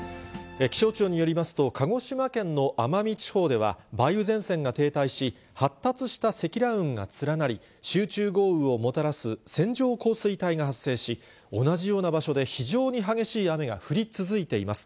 気象庁によりますと、鹿児島県の奄美地方では、梅雨前線が停滞し、発達した積乱雲が連なり、集中豪雨をもたらす線状降水帯が発生し、同じような場所で非常に激しい雨が降り続いています。